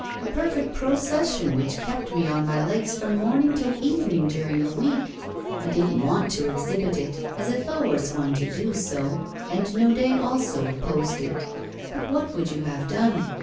A perfect procession which kept me on my legs from morning till evening during a week. I didn't want to exhibit it, as it lowers one to do so, and Naudet also opposed it. But what would you have done?